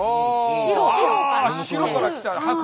白から来た「はく」。